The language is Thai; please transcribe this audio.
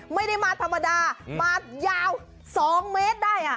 ไม่ได้มาธรรมดามายาว๒เมตรได้